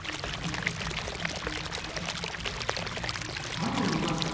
歯の動かし方。